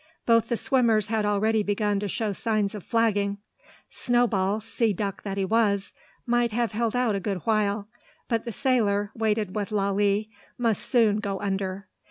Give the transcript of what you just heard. Both the swimmers had already begun to show signs of flagging. Snowball, sea duck that he was, might have held out a good while; but the sailor, weighted with Lalee, must soon "go under."